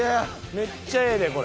めっちゃええでこれ。